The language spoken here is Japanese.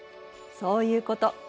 そういうこと。